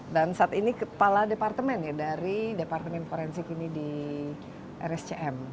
dan saat ini kepala departemen ya dari departemen forensik ini di rscm